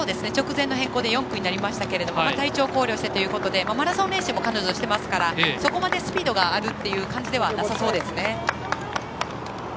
直前の変更で４区になりましたが体調を考慮してということでマラソン練習も彼女はしていますからそこまでスピードがあるという感じではなさそうですね。